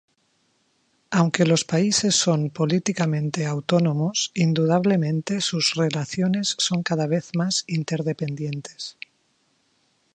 Aunque los países son políticamente autónomos, indudablemente sus relaciones son cada vez más interdependientes.